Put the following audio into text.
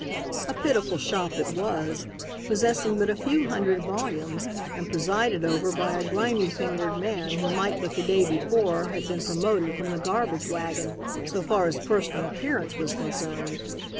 A pitiful shop it was, possessing but a few hundred volumes and presided over by a grimy fingered man who might but the day before have been promoted from the garbage wagon so far as personal appearance was concerned.